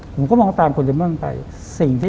ผมก็มองตามคุณเดมอนไป